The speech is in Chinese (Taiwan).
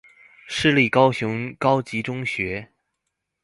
市立高雄高級中學